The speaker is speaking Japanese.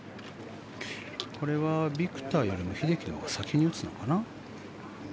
これはビクターよりも英樹のほうが先に打つのかな？